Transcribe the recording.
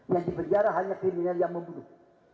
yang di penjara hanya pilih yang membutuh